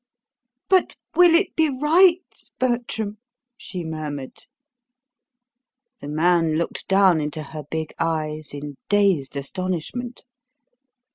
"But will it be RIGHT, Bertram?" she murmured. The man looked down into her big eyes in dazed astonishment.